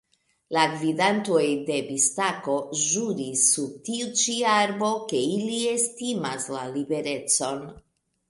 La gvidantoj de Biskajo ĵuris sub tiu ĉi arbo, ke ili estimas la liberecon.